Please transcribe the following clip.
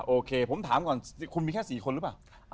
โอเคผมถามก่อนคุณมีแค่๔คนหรือเปล่า